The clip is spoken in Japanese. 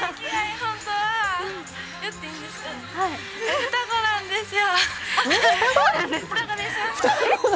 本当は双子なんですよ。